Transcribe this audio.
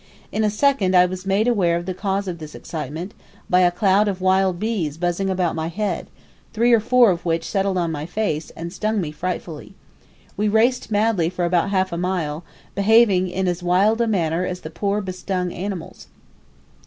In a second, I was made aware of the cause of this excitement, by a cloud of wild bees buzzing about my head, three or four of which settled on my face, and stung me frightfully. We raced madly for about half a mile, behaving in as wild a manner as the poor bestung animals.